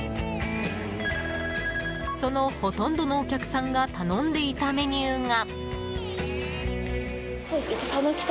そのほとんどのお客さんが頼んでいたメニューが。